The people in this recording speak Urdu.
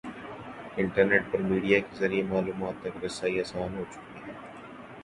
انٹرنیٹ پر میڈیا کے ذریعے معلومات تک رسائی آسان ہو چکی ہے۔